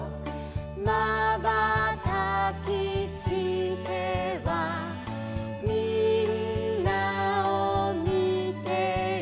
「まばたきしてはみんなをみてる」